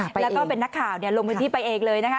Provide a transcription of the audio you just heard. แล้วก็เป็นนักข่าวลงพื้นที่ไปเองเลยนะคะ